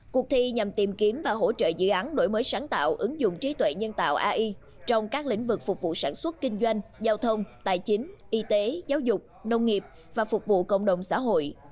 cuộc thi nhằm tìm kiếm và hỗ trợ dự án đổi mới sáng tạo ứng dụng trí tuệ nhân tạo ai trong các lĩnh vực phục vụ sản xuất kinh doanh giao thông tài chính y tế giáo dục nông nghiệp và phục vụ cộng đồng xã hội